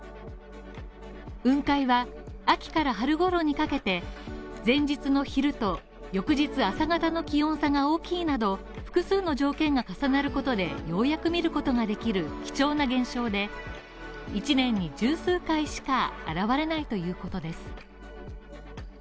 雲海は、秋から春ごろにかけて、前日の昼と、翌日朝方の気温差が大きいなど複数の条件が重なることで、ようやく見ることができる貴重な現象で、１年に十数回しか現れないということです。